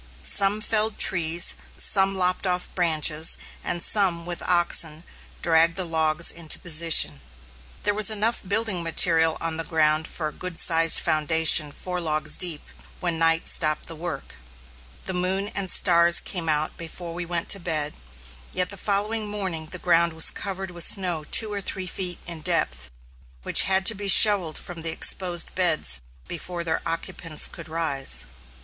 Some felled trees, some lopped off the branches, and some, with oxen, dragged the logs into position. There was enough building material on the ground for a good sized foundation four logs deep, when night stopped the work. The moon and stars came out before we went to bed, yet the following morning the ground was covered with snow two or three feet in depth, which had to be shovelled from the exposed beds before their occupants could rise.